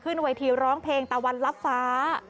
เวทีร้องเพลงตะวันลับฟ้า